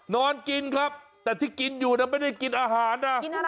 นอนกินครับแต่ที่กินอยู่นะไม่ได้กินอาหารนะ